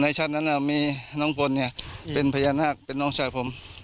ในช่างนั้นมีน้องคนเป็นพญานาคต์เป็นน้องชายผม